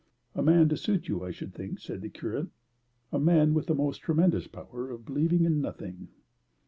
"A man to suit you, I should think," said the curate; "a man with a most tremendous power of believing in nothing."